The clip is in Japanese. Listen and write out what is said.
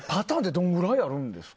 どれくらいあるんですか？